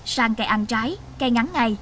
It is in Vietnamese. sang cây ăn trái cây ngắn ngày